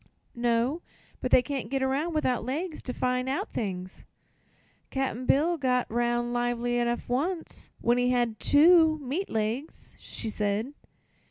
"No; but they can't get around, without legs, to find out things." "Cap'n Bill got 'round lively 'nough once, when he had two meat legs," she said.